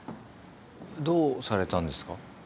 どうされたんですか？